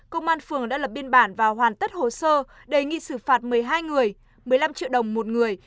công an phường đã lập biên bản và hoàn tất hồ sơ đề nghị xử phạt một mươi hai người một mươi năm triệu đồng một người